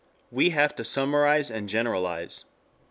We have to summarize and generalize.